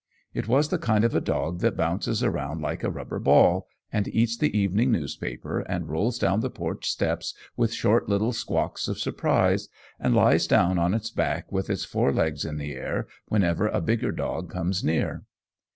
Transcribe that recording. It was the kind of a dog that bounces around like a rubber ball, and eats the evening newspaper, and rolls down the porch steps with short, little squawks of surprise, and lies down on its back with its four legs in the air whenever a bigger dog comes near.